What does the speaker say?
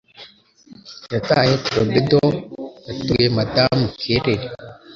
yataye torpedo, yatunguye Madamu Keller.